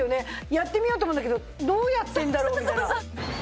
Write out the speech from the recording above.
やってみようと思うんだけどどうやってるんだろうみたいな。